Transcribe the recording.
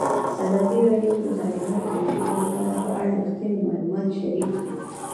ازادي راډیو د تعلیمات د نجونو لپاره په اړه رښتیني معلومات شریک کړي.